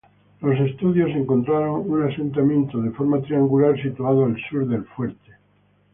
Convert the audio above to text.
Los estudios encontraron un asentamiento de forma triangular situado al sur del fuerte.